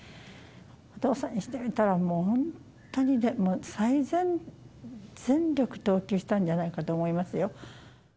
お父さんにしてみたら、もう本当に、全力投球したんじゃないかと思いますよ。